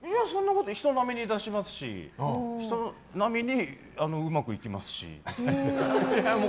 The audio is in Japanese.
人並みに出しますし人並みにうまくいきますし。